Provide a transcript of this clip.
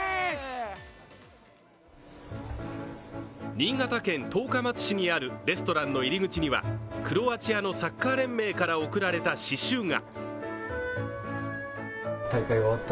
新潟県十日町市にあるレストランの入り口にはクロアチアのサッカー連盟から送られた刺しゅうが。